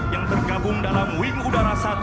yang tergabung dalam wing udara satu